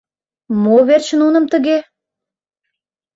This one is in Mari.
— Мо верч нуным тыге?